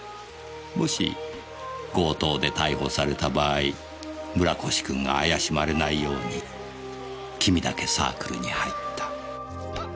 もし強盗で逮捕された場合村越君が怪しまれないように君だけサークルに入った。